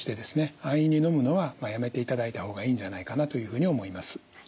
安易にのむのはやめていただいた方がいいんじゃないかなというふうに思います。